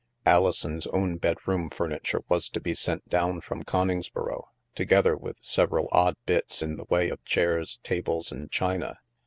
Alison's own bedroom furniture was to be sent down from Coningsboro, together with several odd bits in the way of chairs, tables, and china.